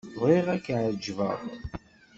Bɣiɣ ad k-εeǧbeɣ.